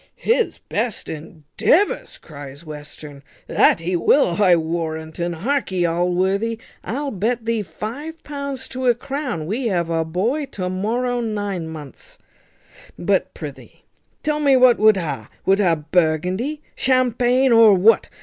"His best endeavours!" cries Western, "that he will, I warrant un. Harkee, Allworthy, I'll bet thee five pounds to a crown we have a boy to morrow nine months; but prithee tell me what wut ha! Wut ha Burgundy, Champaigne, or what?